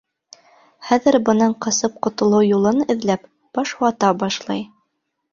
Хәҙер бынан ҡасып ҡотолоу юлын эҙләп, баш вата башлай.